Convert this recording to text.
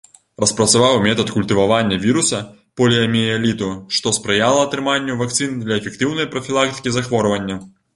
Распрацаваў метад культывавання віруса поліяміэліту, што спрыяла атрыманню вакцын для эфектыўнай прафілактыкі захворвання.